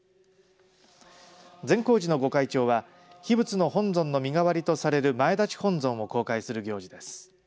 善光寺の御開帳は秘仏の本尊の身代わりとする前立本尊を公開する行事です。